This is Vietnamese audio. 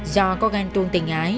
do có gan tuông tình ái